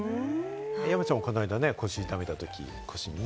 山ちゃんもこの間、腰痛めたとき、腰にね？